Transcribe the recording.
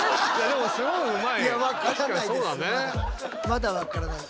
まだ分からない。